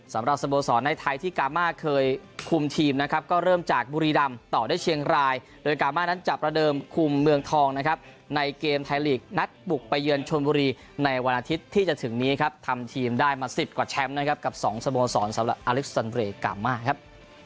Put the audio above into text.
สำหรับสโมสรในไทยที่กามาเคยคุมทีมนะครับก็เริ่มจากบุรีรำต่อได้เชียงรายโดยกามานั้นจะประเดิมคุมเมืองทองนะครับในเกมไทยลีกนัดบุกไปเยือนชนบุรีในวันอาทิตย์ที่จะถึงนี้ครับทำทีมได้มา๑๐กว่าแชมป์นะครับกับ๒สโมสรสำหรับอเล็กซันเรย์กามาครับ